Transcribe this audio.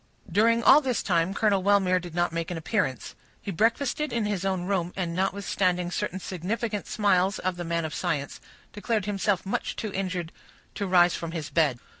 During all this time Colonel Wellmere did not make his appearance; he breakfasted in his own room, and, notwithstanding certain significant smiles of the man of science, declared himself too much injured to rise from his bed.